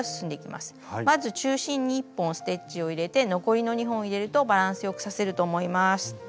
まず中心に１本ステッチを入れて残りの２本を入れるとバランスよく刺せると思います。